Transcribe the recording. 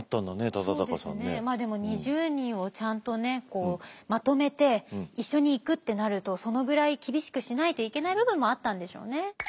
まあでも２０人をちゃんとねまとめて一緒に行くってなるとそのぐらい厳しくしないといけない部分もあったんでしょうね。